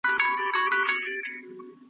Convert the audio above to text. د انسان د ژوند د چارو یو حکمت دی .